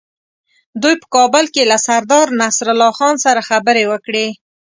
دوی په کابل کې له سردار نصرالله خان سره خبرې وکړې.